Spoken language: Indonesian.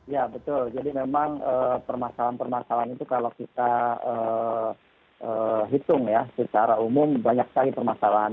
ya betul jadi memang permasalahan permasalahan itu kalau kita hitung ya secara umum banyak sekali permasalahan